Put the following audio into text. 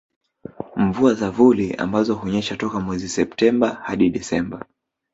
Mvua za vuli ambazo hunyesha toka mwezi Septemba hadi Desemba